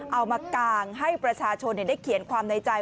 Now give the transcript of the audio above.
มากางให้ประชาชนได้เขียนความในใจ